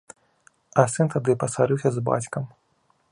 А сын тады пасварыўся з бацькам.